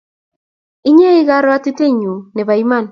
Inye ii karuotitoenyu nebo iman